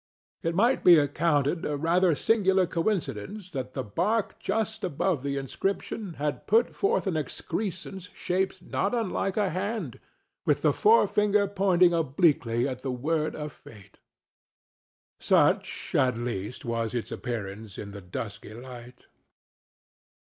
It might be accounted a rather singular coincidence that the bark just above the inscription had put forth an excrescence shaped not unlike a hand, with the forefinger pointing obliquely at the word of fate. Such, at least, was its appearance in the dusky light.